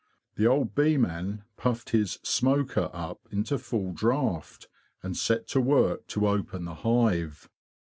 The old bee man puffed his '' smoker "' up into full draught, and set to work to open the hive.